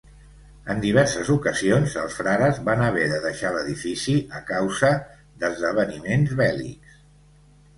En diverses ocasions, els frares van haver de deixar l'edifici a causa d'esdeveniments bèl·lics.